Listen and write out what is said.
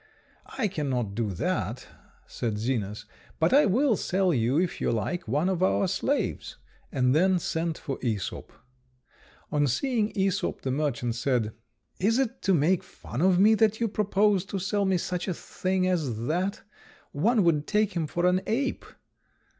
"I cannot do that," said Zenas; "but I will sell you, if you like, one of our slaves;" and then sent for Æsop. On seeing Æsop the merchant said, "Is it to make fun of me that you propose to sell me such a thing as that? One would take him for an ape."